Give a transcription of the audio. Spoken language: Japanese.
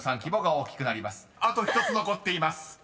［あと１つ残っています］